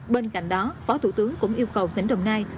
bên cạnh đó phó thủ tướng cũng yêu cầu tỉnh đồng nai